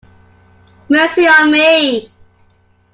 Mercy on me!